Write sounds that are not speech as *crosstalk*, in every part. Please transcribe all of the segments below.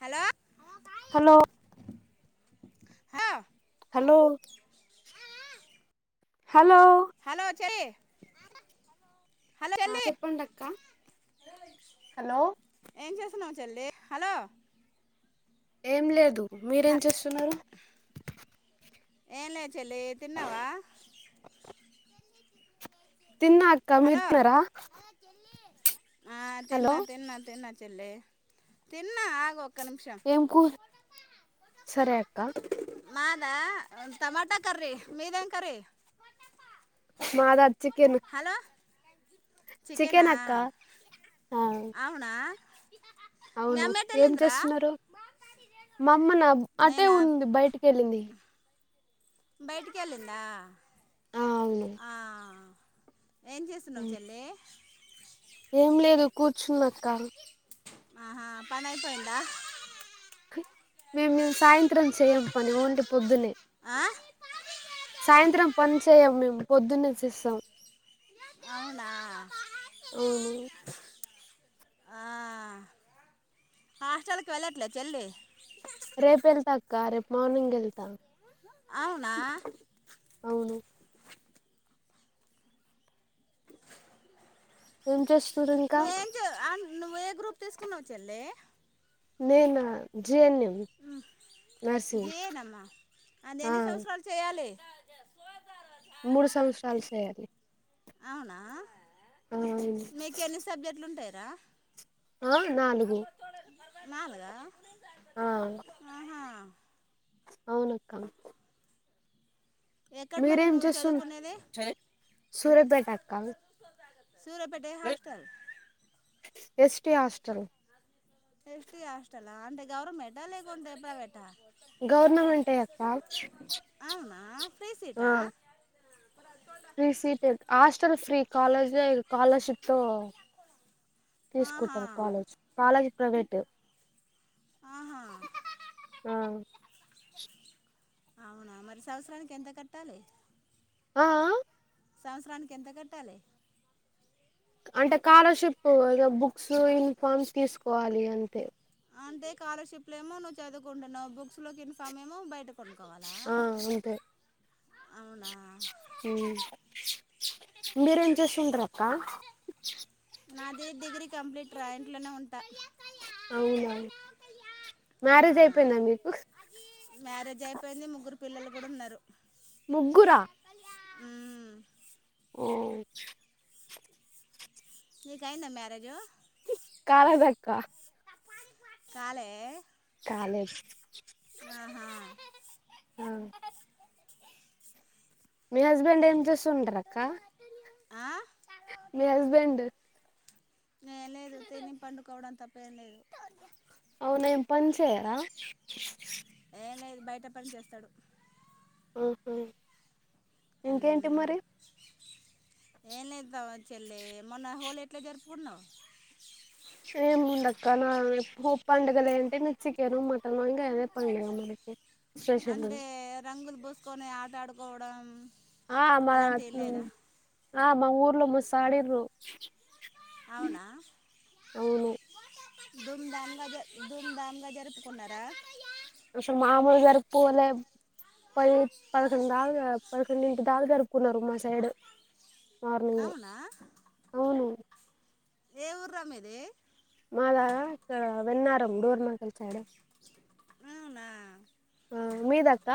Hello hello హా hello hello hello చెల్లి hello ఆ చెల్లి చెప్పండక్క హలో స్తున్నావ్ చెల్లి హలో ఏం లేదు మీరేం చేస్తున్నారు ఏం లేద్ చెల్లె తిన్నవా తిన్నా అక్క మిరూ తిన్నరా ఆ తిన్న తిన్న తిన్న చెల్లే తిన్నా ఆగు ఒక్క నిమిషం ఏం కూర సరే అక్క మాదా టమాటా కర్రీ మీదేం కర్రీ మాదా చికెన్ హలో చికేనా చికెన్ అక్క ఆ అవునా మీ అవును అమ్మ ఎటు ఏం వెళ్ళిందిరా చేస్తున్నారు మా అమ్మ నా అటే నేనా ఉంది బయటికి వెళ్ళింది బయటికి వెళ్ళిందా ఆ అవును ఏం చేస్తున్నావు చెల్లే ఏం లేదు కూర్చున్నా అక్క ఆహా పనైపోయిందా మేం మేం సాయంత్రం చేయ్యం పని ఓన్లీ పొద్దునే ఆ సాయంత్రం పని చేయం మేమ్ పొద్దున్నే చేస్తాం అవునా అవును ఆ హాస్టల్కి వెళ్ళట్లే చెల్లీ రేపు వెళ్తా అక్కా రేపు మార్నింగ్ ఎళ్తా అవునా అవును ఏం చేస్తురు ఇంకా నువ్వేం చే ఆ, నువ్వు ఏ గ్రూప్ తీసుకున్నావ్ చెల్లే నేనా జిఎన్ఎం నర్సింగ్ జేనమ్మా అది ఆ ఎన్ని సంవత్సరాలు చేయాలి మూడు సంవత్సరాలు చేయాలి అవునా ఆ మీకు ఎన్ని సబ్జెక్ట్లు ఉంటాయి ద ఆ నాలుగు నాలుగా ఆ ఆహా అవునక్క ఎక్కడ మరి మీరేం నువ్వు చేస్తుర్ చదువుకునేది సూర్యాపేట అక్క సూర్యపేట ఏ హాస్టల్ ఎస్టి హాస్టల్ ఎస్టి హస్టలా అంటే గవర్నమెంటా లేకుంటే ప్రైవేట గవర్నమెంటే అక్కా అవునా ఫ్రీ సీటా free seat hostel free college scholarship తో ఆహా తీసుకుంటారు కాలేజ్ కాలేజ్ ప్రైవేట్ ఆహా ఆ అవునా మరి సంవత్సరానికి ఎంత కట్టాలి ఆ అ సంవత్సరానికి ఎంత కట్టాలి అంటే కాలర్షిప్ బుక్స్ యూనిఫార్మ్ తీసుకోవాలి అంతే అంటే కాలర్షిప్ లో ఏమో నువ్వు చదువు కుంటున్నావ్ బుక్స్ లోకి ఇన్ఫామ్ ఏమో బయట కొనుక్కోవాలా ఆ అంతే అవునా హుమ్ మీరేం చేస్తు ఉంటర్ అక్ ఆ నాది డిగ్రీ కంప్లీట్ రా ఇంట్లోనే ఉంటా అవునవును ఆ, మ్యారేజ్ అయిపోయిందా మీకు మ్యారేజ్ అయిపోయింది ముగ్గురు పిల్లలు కూడా ఉన్నారు ముగ్గురా అ ఓ నిక్ అయ్యిందా మ్యారేజ కాద్ కా కాల చాలే ఆహా ఆ మీ హస్బెండ్ ఏం చుండ్రక ఆ మీ హస్బెండ్ లేదు తిని పండుకోవడం తప్పేం లేదు అవును ఎం పని చేయరా న బయట పని చేస్తాడు అ అ ఇంకేంటి మరి ఏనే త చెలే మన హల్ ఎట్లే జరుపుకున్నావ్ సే ముంద్ కాన ఉ పండుగల అంటే నచ్చికేను మ అంగా అదే పడి అంటే *unintelligible* కుం ఆ అమ్మా ఆ మా ఊర్లో మస్త్ ఆడింరు అవునా దూమ్ధామ్జ దూమ్ధామ్ గ జరపుకునరా అసలు మామూలు జరుపు అలా పది పదకొండు దాలు పదకొండుంటి దాలు జరుపుకున్నారు మా సైడ్ మార్నింగ్ అవునా అవును ఏ ఊర మీది మా దాగా ఇక్కడ వెన్నారం డోర్మకిల్ సాడు అవునా ఆ మీదక్క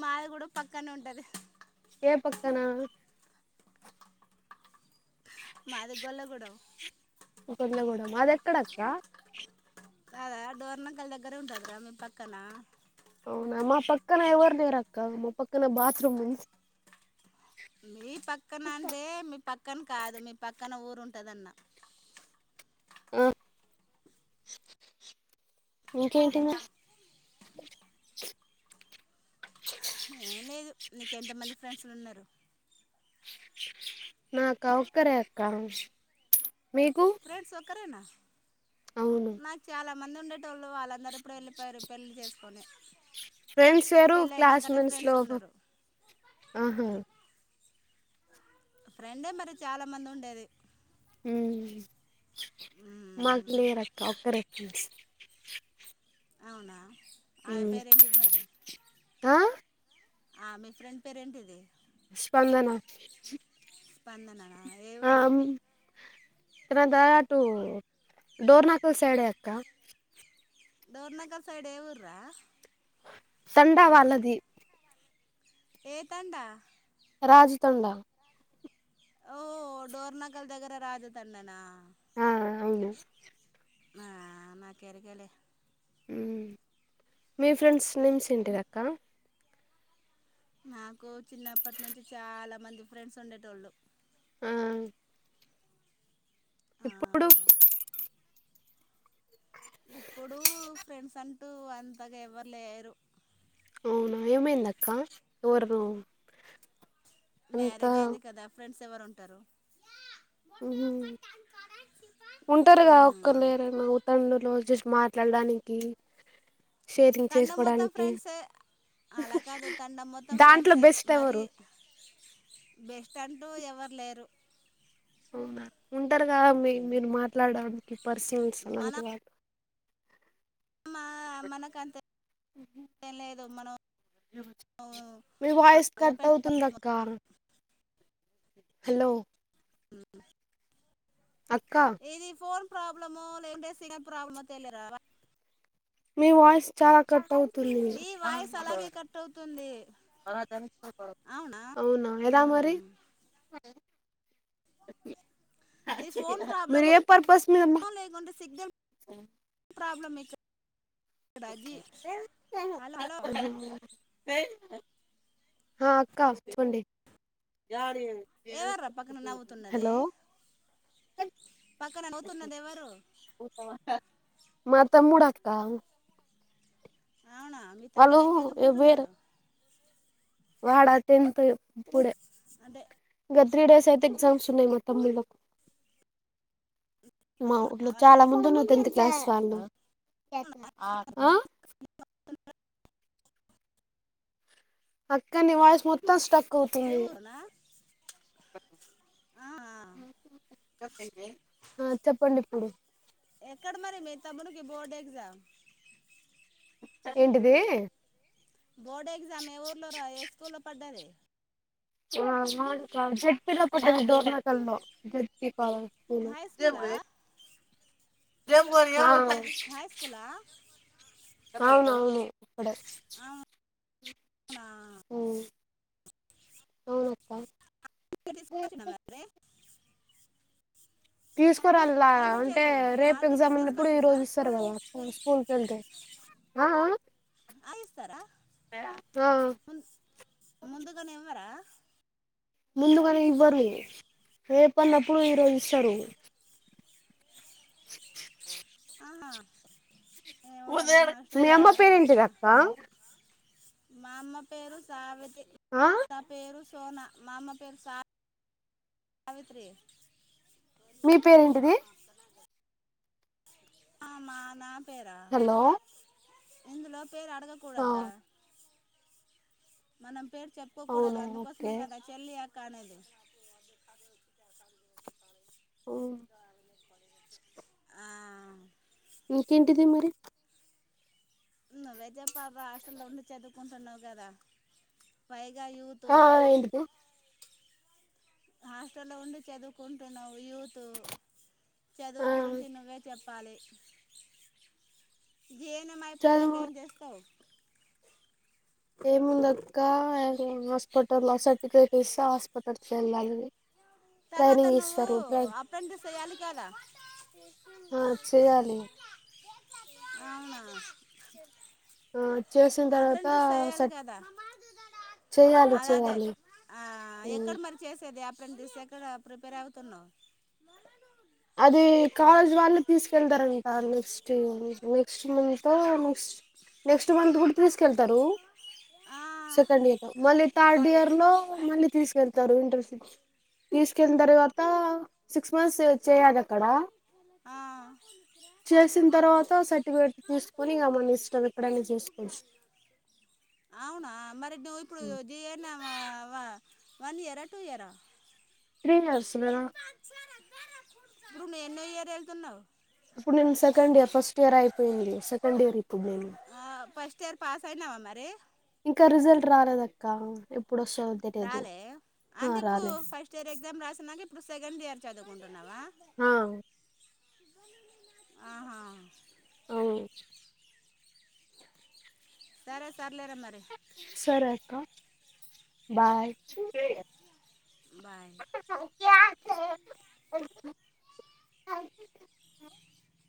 మాది కూడా పక్కనే ఉంటది ఏ పక్కనా మా దగ్గళ్ళ కూడా ఒకళ్ళగూడము అది ఎక్కడక్క అదా డోర్నకలి దగ్గరే ఉంటారు క మీ పక్కన అవునా మా పక్కన ఎవర్ లేరు అక్క మా పక్కన బాత్రూమ్ ఉ మీ పక్కన అంటే మీ పక్కన కాదు మీ పక్కన ఊరు ఉంటుందన్న ఆ ఇంకెంటి నా ఏం లేదు నీకు ఎంతమంది ఫ్రెండ్స్లు ఉన్నారు నాకా ఒక్కరే అక్క మీకు క్కరేనా అవును నాక్ చాలవ్ మంది ఉండేటోళ్ళు వాళ్ల్ అందరం ప్పుడే వెళ్ళిపోయారు పెళ్లి చేస్ కొనే ఫ్రెండ్స్ వేరు క్లాస్ మెంట్స్ లో ఉన్నారు ఆహా ఫ్రెండే మరి చాలా మంది ఉండేది హ్మ్ మాక్ మ్మ్. లేరక్క ఒక్కరే ఫ్రెండ్స్ అవునా ఆమె మ్మ్ పేరు ఏంటిది మరి ఆ ఆ మీ ఫ్రెండ్ పేరు ఏంటిది స్పందన స్పందన ఆ ఉమ్, తనదా అటు డోర్నాకల్ సైడే అక్క దౌర్నగర్ సైడ్ ఏఊర్రా సండ వాళ్లది ఏ తండా రాజుతండా ఓ డోర్నకల్ దగ్గర రాజ తన్ననా ఆ అవును ఆ నాకరకలే మీ ఫ్రెండ్స్ నేమ్స్ ఏంటిదక్క నాకు చిన్నప్పటి నుంచి చాలా మంది ఫ్రెండ్స్ ఉండేటోళ్ళు ఆ ఆ ఇప్పుడు ఇప్పుడు ఫ్రెండ్స్ అంటూ అంతగా ఎవ్వరు లేరు అవునా ఏమైంద అక్క వరు మ్యారేజ్ అయింది కదా ఫ్రెండ్స్ ఎవరుంటారు ఉంటారు కద ఒక్క ఉమ్, లేరవు తండడులో జస్ట్ మార్చ మాట్లా వెళ్డానికి తండం మొత్తం ఫ్రెండ్సే అలా కాదు తండం మొత్తం దాంట్లో ఫ్రెండ్సే బెస్ట్ మరి ఎవరు బెస్ట్ అంటూ ఎవరు లేరు అవునా ఉంటారు కదా మీ మీరు మాట్లాడడానికి పర్సనల్స్ అనంత మనం వాడు మనకంత ఏం లేదు మనం మీ వాయిస్ కట్ ఓపెన్ అవుతుంది అక్క హలో అక్క ఇది ఫోన్ ప్రాబ్లమో లేదంటే సిగ్నల్ ప్రాబ్లమా ప తెలియరా మీ వాయిస్ చాలా కట్ అవుతుంది ఈ వాయిస్ అలాగే కట్ అవుతుంది అవునా ఎలా మరి ఉమ్ ఇది ఫోన్ మీరు ప్రాబ్లము ఏ పర్పస్ మీద ప్రాబ్లమ్ హలో హలో హ అక్క చెప్పండి ఎవర్ర పక్కన నవ్వుతున్నదే హలో మా తమ్ముడక్క అవునా మీ తమ్ముడు ఏం చదువుకుంటున్నాడు వాడా టెన్తు ఇప్పుడే అదే ఇంకా త్రీ డేస్ అయితే ఎగ్జామ్స్ ఉన్నాయి మా తమ్ముళ్ళలకు మా ఊర్లో చాలా ముందు ఉన్నారు టెన్త్ క్లాస్ వాళ్ళు ఆ ఆ అక్క నీ వాయిస్ మొత్తం స్ట్రక్ ఏ అవుతుంది ఊరు రా ఆ చెప్పండి ఇప్పుడు ఎక్కడ మరి మీ తమ్ముడికి బోర్డు ఎగ్జామ్ ఏంటిది బోర్డు ఎగ్జామ్ ఏ ఊర్లో రా ఏ స్కూల్ లో పడ్డది జట్పి లో పడ్డది డోంట జట్పి హై స్కూలా *unintelligible* జంబోలి హాయ్స్కూలా అవును అవును కాడ ఆ అవునా *unintelligible* అవునక్క *unintelligible* తీసు రా ఏంటి అంటే చెల్లి రేపు హాల్ ఎగ్జామ్ టికెట్ ఇప్పుడు ఈ తీసుకొచ్చిందా రోజు ఇస్తారు కదా స్కూల్కి వెళ్తే ఆ ఆ ఇస్తారా ఆ ఆహ్ ముం- ముందుగానే ఇవ్వరా ముందుగానే ఇవ్వరు రేపన్నప్పుడు ఈరోజు ఇస్తారు ఆ ఒదేడ్ నీయమ్మ పేరేంటిదక్కా మామ్మ పేరు సావి టి ఆ నా పేరు సోనా మా అమ్మ పేరు సా సావిత్రి మీ పేరేంటిది ఆమనా హలో ఎందులో పేరు అడగ ఆ కూూడదరా మ నామ్ పేరు చెప్పకూడదు అవునా అందుకోసమే ఓకే కదా చెల్లియా కానదు ఓ ఆ, ఇంకెంటిది మరి ను్ విజంపాత్ర హస్టల్లో ఉండి చదువుకుంటున్నావు్ కదా పై *unintelligible* యోతో ఆ ఏంటిది హాస్టల్లో ఉండి చదువుకుంటున్నావు యూత్ ఆ చదువు గురించి నువ్వే చెప్ప పాలే ఎన్ఎం అయిపోయినాక ఏం చేస్తావ్ ఏ ముందక్క ఏదో నర్స్ హాస్పటల్ సర్టిఫికేట్ హాస్పిటల్ కీ వెళ్ళాలి తర్వాత ట్రైనింగ్ నువ్వు ఇస్తారు ట్రై అపెండిక్ చెయ్యాలి కదా ఆ చేయాలి అవునా ఆ చేసిన తర్వాత అప్రంటి చేయాలి స కదా చేయాలి అద అదే చేయాలి ఆ ఎక్కడ మరి చేసేది పడి సక్ ఎక్కడ ప్రిపేర్ అవుతున్నావు అది కాలేజ్ వాళ్ళు తీసుకెళ్తారంట next next month next month కూడ తీసుకెళ్తారు ఆ, సెకండ్ ఇయర్ లో ఓన్లీ థర్డ్ ఇయర్ లో మళ్ళీ తీసుకెళ్త ఇంటర్ సిక్స్ తీస్కెళ్ళిన తర్వాత సిక్స్ సెవెన్త్ చేయ అద అక్క ఆ. చేసిన తర్వాత సర్టిఫికెట్ తీసుకుని ఇగ మన ఇష్టం ఎప్పుడైనా చేసుకోవచ్చు వా వా వన్ ఇయరా టూ ఇయరా త్రీ నర్స్లద ఇప్పుడు నువ్వు ఎన్నో ఇయర్ ఎల్లుతున్నావ్ ఇప్పుడు నేను సెకండ్ ఇయర్ ఫస్ట్ ఇయర్ అయిపోయింది. సెకండ్ ఇయర్ ఇప్పుడు నేను ఫస్ట్ ఇయర్ పాస్ అయినావా మరి ఇంకా రిజల్ట్ రాలేద. కాన్ టిప్ రాలే అంటే ఇప్పుడు రాలేదు ఫస్ట్ ఇయర్ ఎగ్జామ్ రాసినాక ఇప్పుడు సెకండ్ ఇయర్ చదువుకుంటున్నావా ఆ ఆహా అవును తరాస్ సర్లే ర మరి సరే అక్క బాయ్ చుంటే బాయ్ *unintelligible*